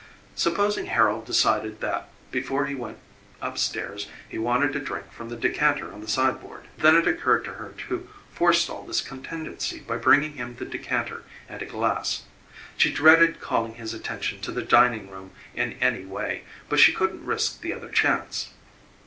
Supposing Harold decided that before he went upstairs he wanted a drink from the decanter on the sideboard. Then it occurred to her to forestall this contingency by bringing him the decanter and a glass. She dreaded calling his attention to the dining room in any way, but she couldn't risk the other chance.